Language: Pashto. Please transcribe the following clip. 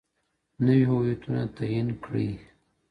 نوي هويتونه تعين کړي